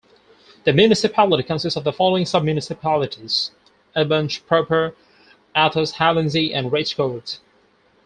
The municipality consists of the following sub-municipalities: Aubange proper, Athus, Halanzy, and Rachecourt.